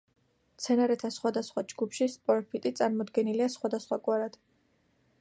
მცენარეთა სხვადასხვა ჯგუფში სპოროფიტი წარმოდგენილია სხვადასხვაგვარად.